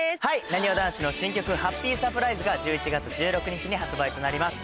なにわ男子の新曲『ハッピーサプライズ』が１１月１６日に発売となります